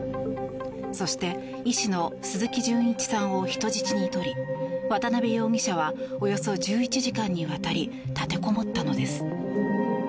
そして医師の鈴木純一さんを人質に取り渡邊容疑者はおよそ１１時間にわたり立てこもったのです。